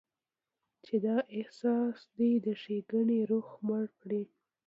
چې دا احساس دې د ښېګڼې روح مړ کړي.